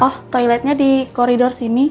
oh toiletnya di koridor sini